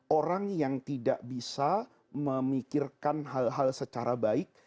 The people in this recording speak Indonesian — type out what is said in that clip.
orang yang tidak bisa memikirkan hal hal secara baik